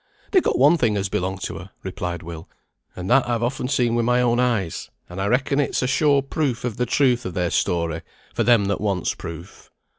"They got one thing as belonged to her," replied Will, "and that I've often seen with my own eyes, and I reckon it's a sure proof of the truth of their story; for them that wants proof."